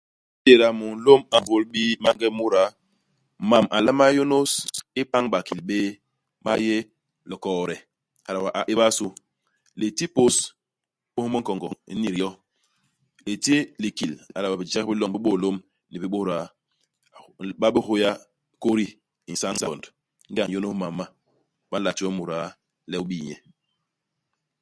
Ingéda mulôm a nsômbôl bii maange muda, mam a nlama yônôs ipañ bakil béé, ma yé likoode ; hala wee a éba su. Liti pôs, pôs i minkongo. U n'nit yo. Iti likil, hala wee bijek bi loñ, bi bôlôm ni bi bôda. I ba bé ihôya kôdi i nsañ ngond. Ingéda u n'yônôs imam ma, ba nla ti we muda le u bii nye.